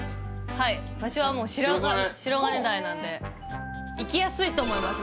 はい場所はもう白金台なんで行きやすいと思います